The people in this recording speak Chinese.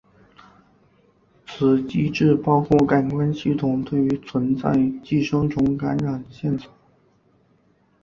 此机制包括感官系统对存在寄生虫感染线索。